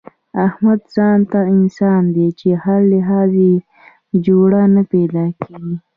احمد ځانته انسان دی، په هر لحاظ یې جوړه نه پیداکېږي.